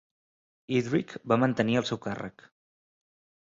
Eadric va mantenir el seu càrrec.